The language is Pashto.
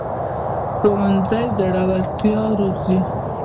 ښوونځی زړورتیا روزي